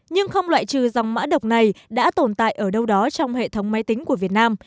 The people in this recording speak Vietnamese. nhưng không loại trừ dòng mã độc này đã tồn tại ở đâu đó trong hệ thống máy tính của việt nam